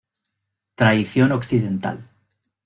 Traición occidental